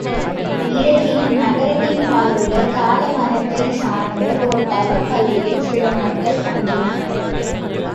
இடையே இந்நகரத்தின்பாலுள்ள காள வனத்தைச் சார்ந்த ஒர் தவப் பள்ளியில் சில நாள்கள் தங்கினார்.